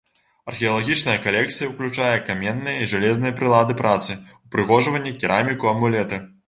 Археалагічная калекцыя ўключае каменныя і жалезныя прылады працы, упрыгожванні, кераміку, амулеты.